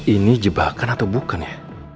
ini jebakan atau bukan ya